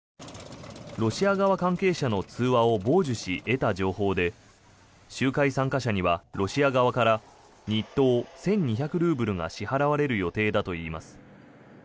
ロシア側関係者の通話を傍受し得た情報で集会参加者にはロシア側から日当１２００ルーブルが支払われる予定だといいます。